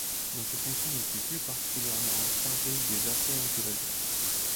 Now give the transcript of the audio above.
Dans cette fonction, il fut plus particulièrement chargé des affaires de l'Algérie.